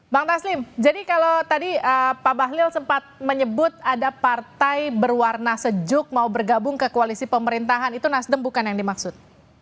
bang taslim jadi kalau tadi pak bahlil sempat menyebut ada partai berwarna sejuk mau bergabung ke koalisi pemerintahan itu nasdem bukan yang dimaksud